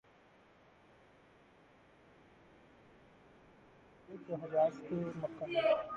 خالد کے والد Walid bin Mughira تھے، جو حجاز کے مکہ